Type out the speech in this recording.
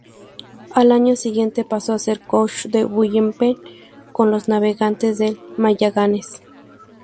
Al año siguiente, pasó a ser coach de bullpen con los Navegantes del Magallanes.